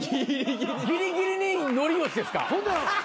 ギリギリにのり・よしですか？